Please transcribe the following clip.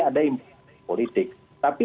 ada politik tapi